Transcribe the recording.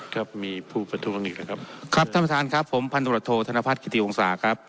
ครับมีผู้ประท้วงอีกนะครับครับท่านประธานครับผมพันตรวจโทษธนพัฒกิติวงศาครับ